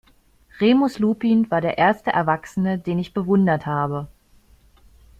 Remus Lupin war der erste Erwachsene, den ich bewundert habe.